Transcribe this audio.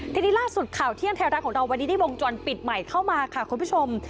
ทีนี้ล่าสุดข่าวเที่ยงไทยรัฐของเราวันนี้ได้วงจรปิดใหม่เข้ามาค่ะคุณผู้ชม